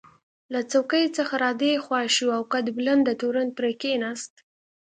له څوکۍ څخه را دې خوا شو او قد بلنده تورن پرې کېناست.